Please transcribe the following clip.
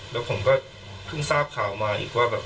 แล้วผมก็เพิ่งทราบข่าวมาอีกว่าแบบ